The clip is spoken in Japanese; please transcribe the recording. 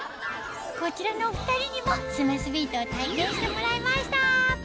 こちらのお２人にもスマスビートを体験してもらいました